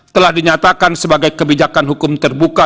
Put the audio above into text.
telah dinyatakan sebagai kebijakan hukum terbuka